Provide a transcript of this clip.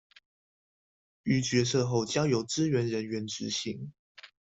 於決策後交由支援人員執行